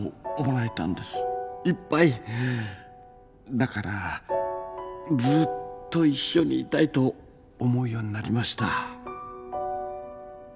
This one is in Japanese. だからずっと一緒にいたいと思うようになりました。